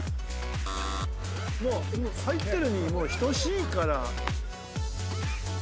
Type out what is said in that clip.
入ってるに等しいから。